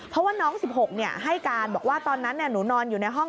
เพราะว่าน้อง๑๖ให้การบอกว่าตอนนั้นหนูนอนอยู่ในห้อง